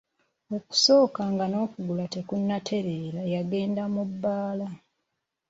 Okusooka nga n'okugulu tekunatereera yagenda mu bbaala.